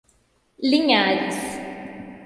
Linhares